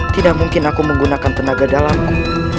tidak mungkin aku menggunakan tenaga dalamku